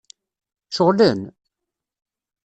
Ceɣlen?